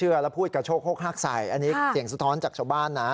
แล้วพูดกระโชกโฮกฮักใส่อันนี้เสียงสะท้อนจากชาวบ้านนะ